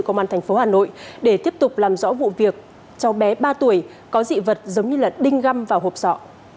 công an tp hà nội để tiếp tục làm rõ vụ việc cho bé ba tuổi có dị vật giống như là đinh găm vào hộp sọ